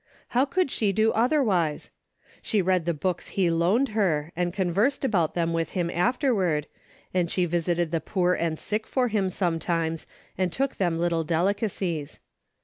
How could she do otherwise ? She read the books he loaned her, and conversed about them with him after ward, and she visited the poor and sick for him sometimes and took them little delicacies.